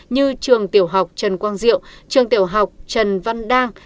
như trường tiểu học trần quang diệu trường tiểu học trần văn đang